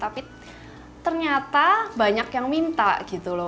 tapi ternyata banyak yang minta gitu loh